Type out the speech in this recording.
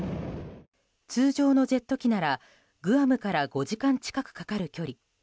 通常のジェット機ならグアムから５時間近くかかる距離。